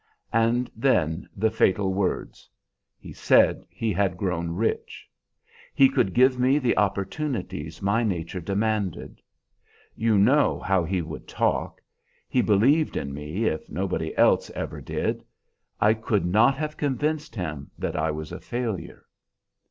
And then the fatal word; he said he had grown rich. He could give me the opportunities my nature demanded. You know how he would talk. He believed in me, if nobody else ever did; I could not have convinced him that I was a failure.